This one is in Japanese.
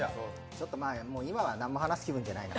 ちょっとまあ、今は何も話す気分じゃないな。